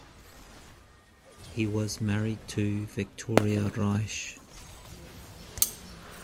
He was married to Victoria Reich.